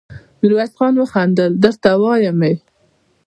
ميرويس خان وخندل: درته وايم يې!